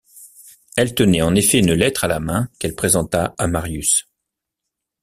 Elle tenait en effet une lettre à la main qu’elle présenta à Marius.